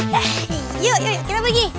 yuk yuk yuk kita pergi